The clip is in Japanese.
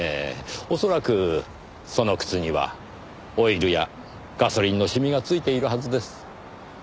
恐らくその靴にはオイルやガソリンの染みがついているはずです。